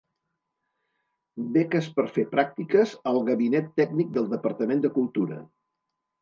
Beques per fer pràctiques al Gabinet Tècnic del Departament de Cultura.